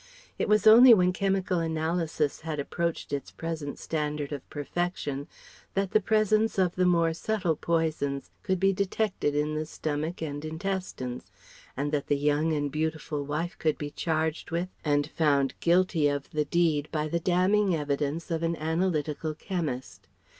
It was only when chemical analysis had approached its present standard of perfection that the presence of the more subtle poisons could be detected in the stomach and intestines, and that the young and beautiful wife could be charged with and found guilty of the deed by the damning evidence of an analytical chemist.